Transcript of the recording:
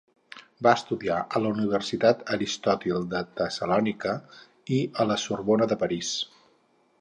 Va estudiar a la Universitat Aristòtil de Tessalònica i a la Sorbona de París.